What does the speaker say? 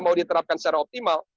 mau diterapkan secara optimal